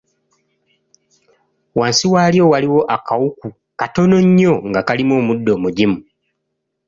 Wansi waalyo waaliwo akawuku katono nnyo nga kalimu omuddo omugimu.